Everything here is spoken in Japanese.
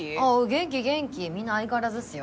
元気元気みんな相変わらずっすよ